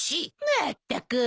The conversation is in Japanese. まったく！